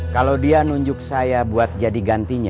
kalau dia nunjuk saya buat jadi gantinya